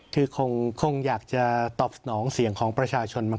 คือคงอยากจะตอบสนองเสียงของประชาชนมาก